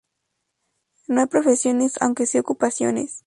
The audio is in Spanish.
No hay profesiones, aunque si ocupaciones.